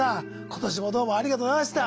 今年もどうもありがとうございました。